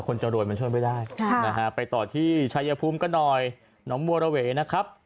จะรวยมันช่วยไม่ได้ไปต่อที่ชายภูมิกันหน่อยหนองบัวระเวนะครับ